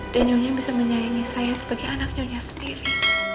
nyonya bisa menyayangi saya sebagai anak nyonya sendiri